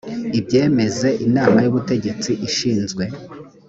ibyemeze inama y ubutegetsi ishinzwe